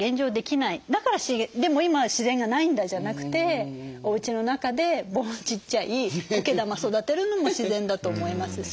だからでも今「自然がないんだ」じゃなくておうちの中でちっちゃいこけ玉育てるのも自然だと思いますし。